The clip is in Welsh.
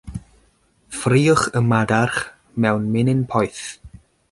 Ffriwch y madarch mewn menyn poeth.